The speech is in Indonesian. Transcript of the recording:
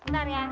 b surf ya